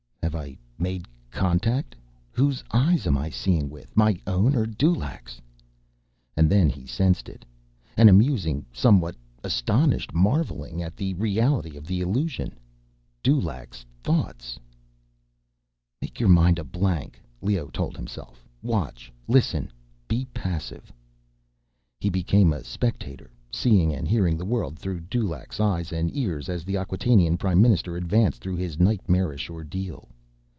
Have I made contact? Whose eyes am I seeing with, my own or Dulaq's? And then he sensed it—an amused, somewhat astonished marveling at the reality of the illusion. Dulaq's thoughts! Make your mind a blank, Leoh told himself. Watch. Listen. Be passive. He became a spectator, seeing and hearing the world through Dulaq's eyes and ears as the Acquatainian Prime Minister advanced through his nightmarish ordeal.